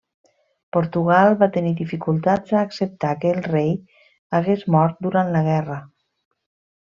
Portugal va tenir dificultats a acceptar que el rei hagués mort durant la guerra.